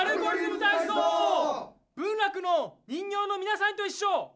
文楽の人形のみなさんといっしょ！